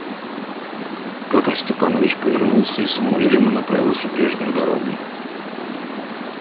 Петр Степанович повернулся и самоуверенно направился прежнею дорогой.